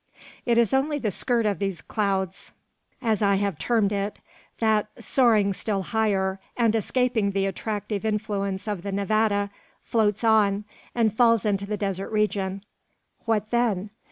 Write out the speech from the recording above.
It is only the skirt of these clouds, as I have termed it, that, soaring still higher, and escaping the attractive influence of the Nevada, floats on, and falls into the desert region. What then?